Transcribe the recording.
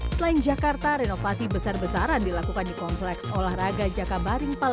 selain jakarta renovasi besar besaran dilakukan di kompleks olahraga jakabaring